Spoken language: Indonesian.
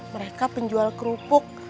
mereka penjual kerupuk